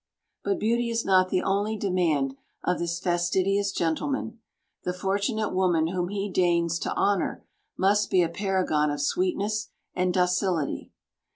But beauty is not the only demand of this fastidious gentleman; the fortunate woman whom he deigns to honour must be a paragon of sweetness and docility.